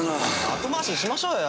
後回しにしましょうよ。